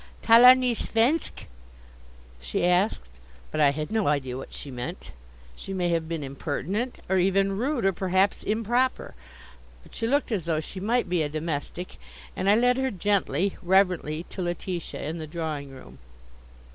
"Talar ni svensk?" she asked, but I had no idea what she meant. She may have been impertinent, or even rude, or perhaps improper, but she looked as though she might be a domestic, and I led her gently, reverently, to Letitia in the drawing room.